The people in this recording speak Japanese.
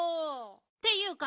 っていうか